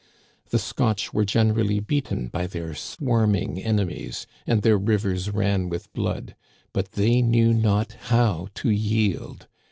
The Scotch were generally beaten by their swarming enemies, and their rivers ran with blood, but they knew not how to yield.